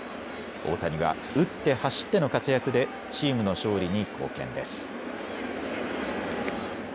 大谷は打って、走っての活躍でチームの勝利に貢献です。